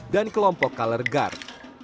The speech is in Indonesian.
dan kelompok color guard